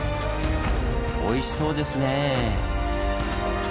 おいしそうですねぇ。